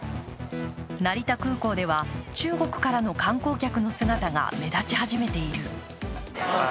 成田空港では、中国からの観光客の姿が目立ち始めている。